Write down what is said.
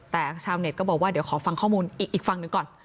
แต่ชาวเน็ตก็บอกว่าเดี๋ยวขอฟังข้อมูลอีกฝั่งหนึ่งก่อน